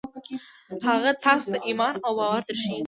هغه تاسې ته ايمان او باور دربښي.